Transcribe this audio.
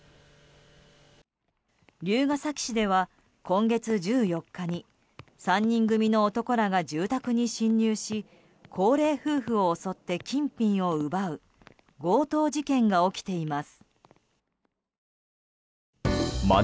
龍ケ崎市では今月１４日に３人組の男らが住宅に侵入し高齢夫婦を襲って金品を奪う強盗事件が起きています。